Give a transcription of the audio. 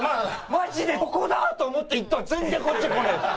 マジでここだ！と思っていったら全然こっちこねえし。